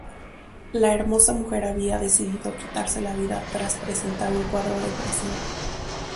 La hermosa mujer había decidido quitarse la vida tras presentar un cuadro depresivo.